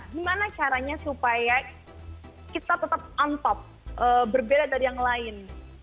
gimana caranya supaya kita tetap on top berbeda dari yang lain